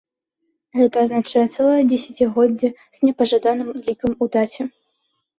Гэта азначае цэлае дзесяцігоддзе з непажаданым лікам у даце.